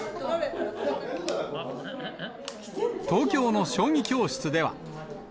東京の将棋教室では。